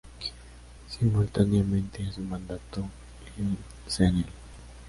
Simultáneamente a su mandato, el Cnel.